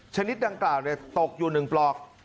ชนิดดังกล่าวตกอยู่๑ปลอก